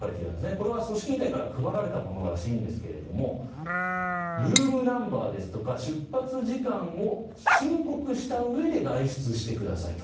これは組織委員会から配られたものらしいですがルームナンバーですとか出発時間を申告したうえで外出してくださいと。